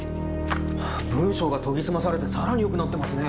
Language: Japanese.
文章が研ぎ澄まされてさらに良くなってますね。